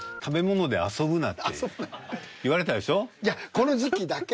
この時期だけ。